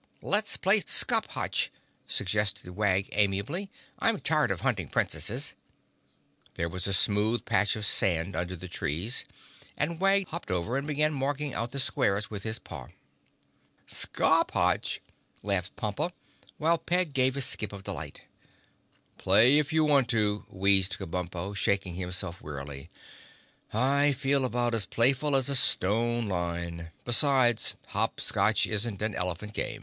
"Let's play scop hotch," suggested Wag amiably. "I'm tired of hunting Princesses." There was a smooth patch of sand under the trees and Wag hopped over and began marking out the squares with his paw. "Scop hotch!" laughed Pompa, While Peg gave a skip of delight. "Play if you want to," wheezed Kabumpo, shaking himself wearily, "I feel about as playful as a stone lion. Besides, hop scotch isn't an elephant game."